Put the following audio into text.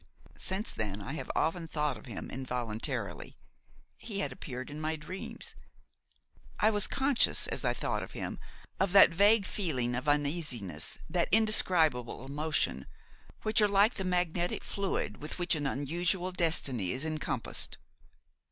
Since then I had often thought of him, involuntarily; he had appeared in my dreams. I was conscious, as I thought of him, of that vague feeling of uneasiness, that indescribable emotion, which are like the magnetic fluid with which an unusual destiny is encompassed.